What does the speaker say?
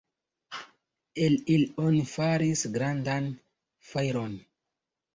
El ili oni faris grandan fajron.